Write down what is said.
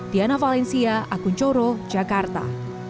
diana valencia akun coro jakarta